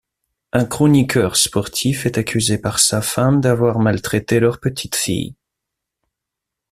Un chroniqueur sportif est accusé par sa femme d'avoir maltraité leur petite fille.